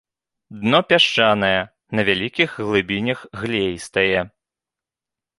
Дно пясчанае, на вялікіх глыбінях глеістае.